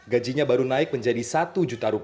gajinya baru naik menjadi rp satu